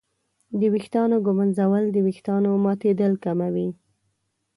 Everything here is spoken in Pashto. د ویښتانو ږمنځول د ویښتانو ماتېدل کموي.